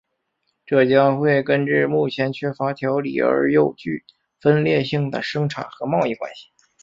这将会根治目前缺乏条理而又具分裂性的生产和贸易关系。